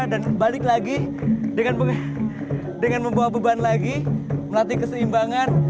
dan balik lagi dengan membawa beban lagi melatih keseimbangan